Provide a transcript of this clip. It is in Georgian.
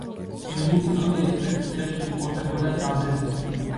ლივინგსტონი ექსპედიციაში იმყოფებოდა ზამბეზიზე.